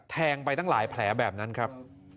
แทงไปตั้งหลายแผลแบบนั้นครับ